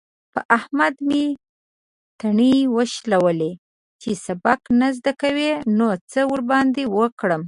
په احمد مې تڼۍ وشلولې. چې سبق نه زده کوي؛ نو څه ورباندې وکړم؟!